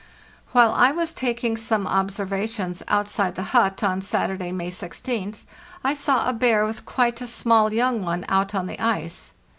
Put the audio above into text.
While I was taking some observations outside the hut on Saturday, May 16th, I saw a bear with quite a small young one out on the ice.